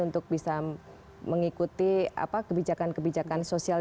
untuk bisa mengikuti kebijakan kebijakan sosial